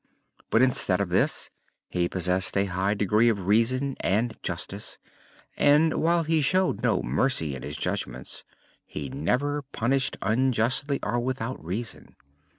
But instead of this he possessed a high degree of Reason and Justice and while he showed no mercy in his judgments he never punished unjustly or without reason.